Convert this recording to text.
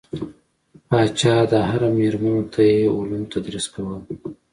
پاچا د حرم میرمنو ته یې علوم تدریس کول.